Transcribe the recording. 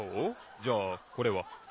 じゃあこれは？